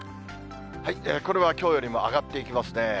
これはきょうよりも上がっていきますね。